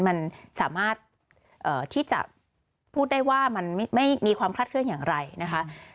มันสามารถที่จะพูดได้ว่ามันไม่มีความคลาดเคลื่อนอย่างไรนะคะ